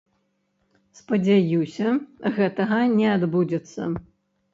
Спадзяюся, гэтага не адбудзецца.